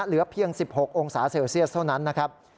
เหลือเพียง๑๖องศาเซลเซียสเท่านั้นนะครับ